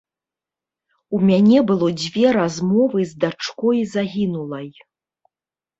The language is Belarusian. У мяне было дзве размовы з дачкой загінулай.